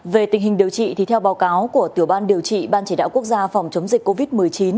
về tình hình điều trị thì theo báo cáo của tiểu ban điều trị ban chỉ đạo quốc gia phòng chống dịch covid một mươi chín